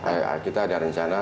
iya kita ada rencana